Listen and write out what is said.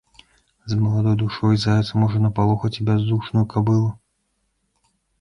З маладой душой заяц можа напалохаць і бяздушную кабылу.